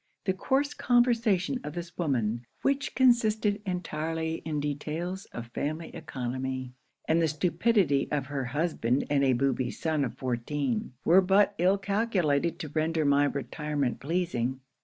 The coarse conversation of this woman, which consisted entirely in details of family oeconomy; and the stupidity of her husband and a booby son of fourteen, were but ill calculated to render my retirement pleasing.